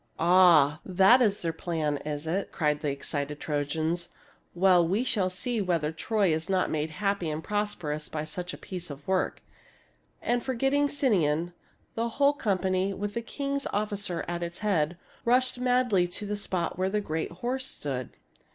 " Ah, that is their plan is it ?" cried the excited Trojans. " Well, we shall see whether Troy is not made happy and prosperous by such a piece of work." And, forgetting Sinon, the whole com pany, with the king's officer at its head, rushed madly to the spot where the great horse stood.